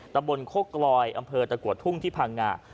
ตะบนโคกรอยอำเภอตะกวดทุ่งภังงา